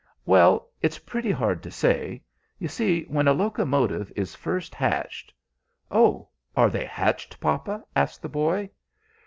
"Well; it's pretty hard to say. You see, when a locomotive is first hatched " "Oh, are they hatched, papa?" asked the boy.